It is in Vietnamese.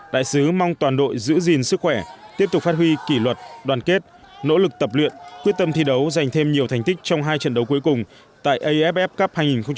đại sứ mong toàn đội giữ gìn sức khỏe tiếp tục phát huy kỷ luật đoàn kết nỗ lực tập luyện quyết tâm thi đấu giành thêm nhiều thành tích trong hai trận đấu cuối cùng tại aff cup hai nghìn một mươi tám